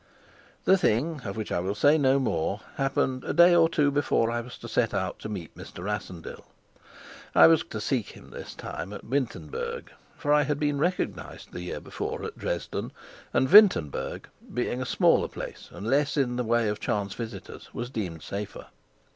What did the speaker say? The thing, of which I will say no more, happened a day or two before I was to set out to meet Mr. Rassendyll. I was to seek him this time at Wintenberg, for I had been recognized the year before at Dresden; and Wintenberg, being a smaller place and less in the way of chance visitors, was deemed safer.